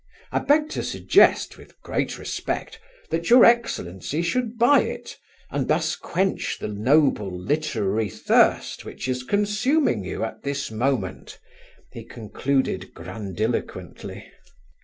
I beg to suggest, with great respect, that your excellency should buy it, and thus quench the noble literary thirst which is consuming you at this moment," he concluded grandiloquently.